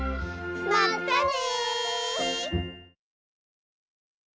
まったね！